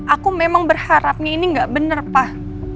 aku memang berharapnya ini nggak benar pak